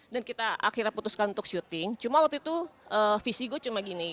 dan kita akhirnya putuskan untuk shooting cuma waktu itu visi gue cuma gini